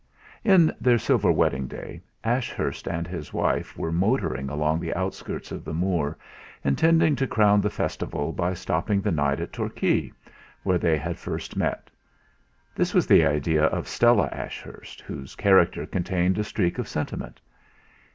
In their silver wedding day Ashurst and his wife were motoring along the outskirts of the moor, intending to crown the festival by stopping the night at Torquay, where they had first met. This was the idea of Stella Ashurst, whose character contained a streak of sentiment.